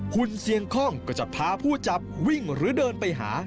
คุณเสียงคล่องก็จะพาผู้จับวิ่งหรือเดินไปหา